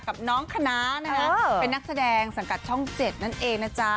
กับน้องคณะนะฮะเป็นนักแสดงสังกัดช่อง๗นั่นเองนะจ๊ะ